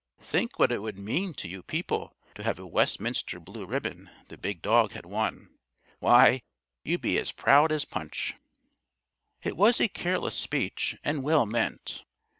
Think what it would mean to you people to have a Westminster blue ribbon the big dog had won! Why, you'd be as proud as Punch!" It was a careless speech and well meant.